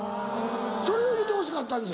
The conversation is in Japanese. それを言うてほしかったんです